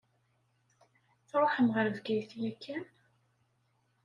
Tṛuḥem ɣer Bgayet yakan?